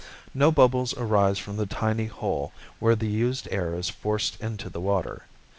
No bubbles arise from the tiny hole where the used air is forced into the water.